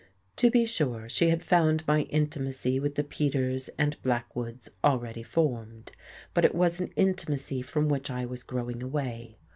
To be sure, she had found my intimacy with the Peterses and Blackwoods already formed; but it was an intimacy from which I was growing away.